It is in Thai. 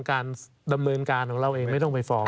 การดำเนินการของเราเองไม่ต้องไปฟ้อง